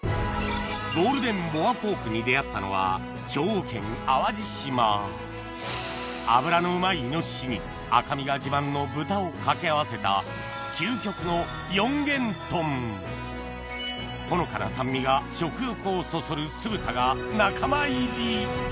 ゴールデンボアポークに出合ったのは兵庫県淡路島脂のうまい猪に赤身が自慢の豚を掛け合わせたほのかな酸味が食欲をそそる酢豚が仲間入り